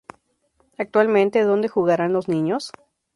Actualmente ¿Dónde Jugarán Los Niños?